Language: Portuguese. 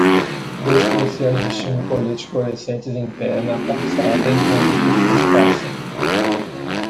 Dois policiais vestindo coletes fluorescentes em pé na calçada enquanto as pessoas passam.